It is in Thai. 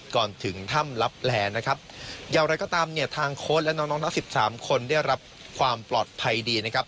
ก่อนถึงถ้ำรับแหลนะครับยาวไรก็ตามเนี่ยทางโค้ดและน้อง๑๓คนได้รับความปลอดภัยดีนะครับ